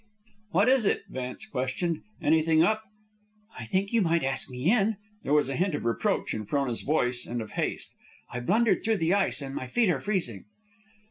"What is it?" Vance questioned. "Anything up?" "I think you might ask me in." There was a hint of reproach in Frona's voice, and of haste. "I blundered through the ice, and my feet are freezing."